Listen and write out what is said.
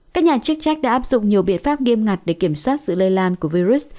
các nhà chức trách đã áp dụng nhiều biện pháp nghiêm ngặt để kiểm soát sự lây lan của virus